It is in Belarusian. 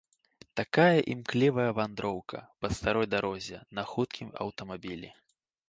Такая імклівая вандроўка па старой дарозе на хуткім аўтамабілі.